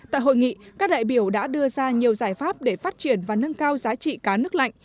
tại hội nghị các đại biểu đã đưa ra nhiều giải pháp để phát triển và nâng cao giá trị cá nước lạnh